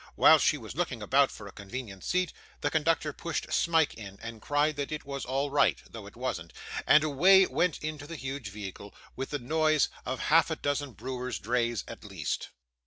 While she was looking about for a convenient seat, the conductor pushed Smike in, and cried that it was all right though it wasn't and away went the huge vehicle, with the noise of half a dozen brewers' drays at least.